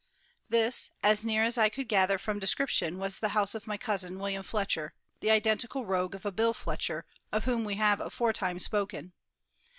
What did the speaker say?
This, as near as I could gather from description, was the house of my cousin, William Fletcher, the identical rogue of a Bill Fletcher, of whom we have aforetime spoken.